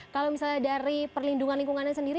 kalau misalnya dari perlindungan lingkungannya sendiri